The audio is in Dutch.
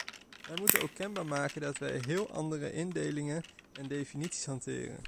Wij moeten ook kenbaar maken dat wij heel andere indelingen en definities hanteren.